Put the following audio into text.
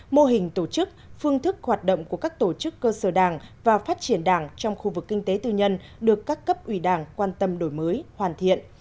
mô hình tổ chức phương thức hoạt động của các tổ chức cơ sở đảng và phát triển đảng trong khu vực kinh tế tư nhân được các cấp ủy đảng quan tâm đổi mới hoàn thiện